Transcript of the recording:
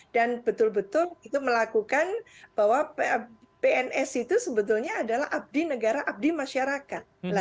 dan betul betul itu melakukan bahwa pns itu sebetulnya adalah abdi negara abdi masyarakat